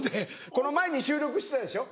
この前に収録してたでしょ？